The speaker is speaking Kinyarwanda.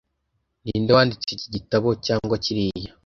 Ninde wanditse iki gitabo cyangwa kiriya